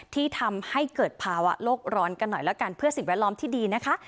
ที่ทำให้เกิดภาวะโลกร้อนกันหน่อยแล้วกันเพื่อสิ่งแวดล้อมที่ดีนะคะ